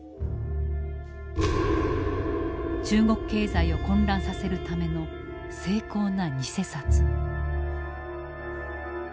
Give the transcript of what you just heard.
中国経済を混乱させるための精巧なにせ札。